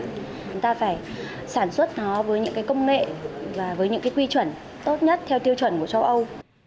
chúng ta phải sản xuất nó với những công nghệ và với những cái quy chuẩn tốt nhất theo tiêu chuẩn của châu âu